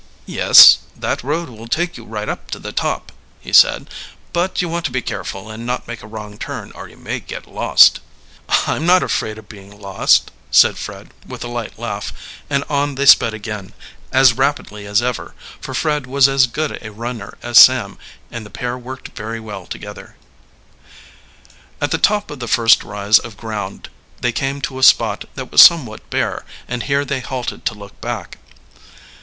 "Yes, that road will take you right up to the top," he said. "But you want to be careful and not make a wrong turn, or you may get lost." "I'm not afraid of being lost," said Fred with a light laugh; and on they sped again, as rapidly as ever, for Fred was as good a runner as Sam, and the pair worked very well together. At the top of the first rise of ground they came to a spot that was somewhat bare, and here they halted to look back.